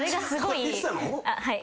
はい。